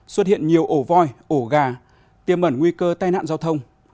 xuất hiện nhiều ổ voi ổ gà tiêm ẩn nguy cơ tai nạn giao thông